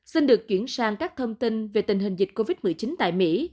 xin được chuyển sang các thông tin về tình hình dịch covid một mươi chín tại mỹ